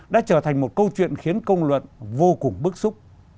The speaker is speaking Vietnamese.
đã trở thành một câu chuyện khiến công luận vô cùng bức xúc